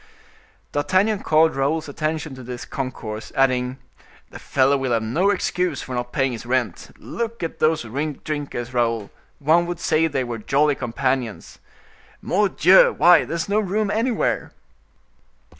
D'Artagnan called Raoul's attention to this concourse, adding: "The fellow will have no excuse for not paying his rent. Look at those drinkers, Raoul, one would say they were jolly companions. Mordioux! why, there is no room anywhere!"